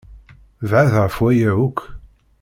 Bɛed ɣef waya akk!